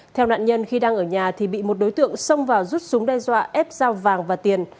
theo nạn nhân khi đang ở nhà thì bị một đối tượng xông vào rút súng đe dọa ép dao vàng và tiền